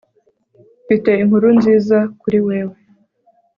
mfite inkuru nziza kuri wewe